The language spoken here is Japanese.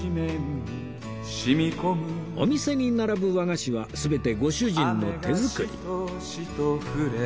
お店に並ぶ和菓子は全てご主人の手作り